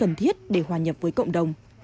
tầm thiết để hòa nhập với cộng đồng